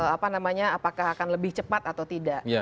apa namanya apakah akan lebih cepat atau tidak